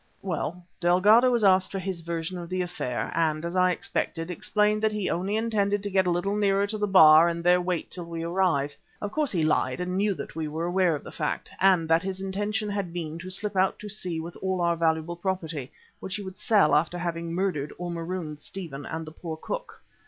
Well, Delgado was asked for his version of the affair, and, as I expected, explained that he only intended to get a little nearer to the bar and there wait till we arrived. Of course he lied and knew that we were aware of the fact and that his intention had been to slip out to sea with all our valuable property, which he would sell after having murdered or marooned Stephen and the poor cook.